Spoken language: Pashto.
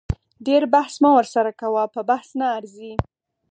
ډیر بحث مه ورسره کوه په بحث نه ارزي